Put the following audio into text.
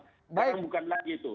sekarang bukan lagi itu